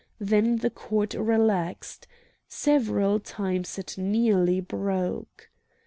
Then the cord relaxed. Several times it nearly broke.